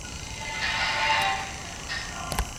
هغه د زورورو فشار نه مانه.